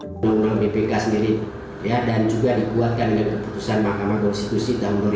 keunangan bpk sendiri dan juga dikuatkan dengan keputusan mahkamah konstitusi tahun dua ribu empat belas lalu